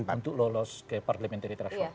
untuk lolos ke partai menteri teras